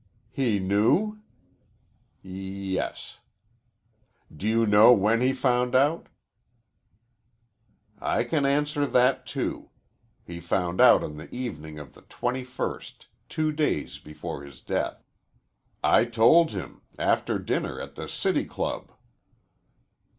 "He knew?" "Yes." "Do you know when he found out?" "I can answer that, too. He found out on the evening of the twenty first two days before his death. I told him after dinner at the City Club."